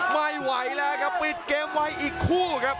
ไม่ไหวแล้วครับปิดเกมไว้อีกคู่ครับ